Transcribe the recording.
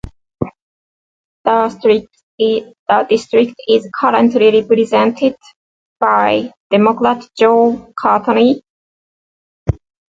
The district is currently represented by Democrat Joe Courtney.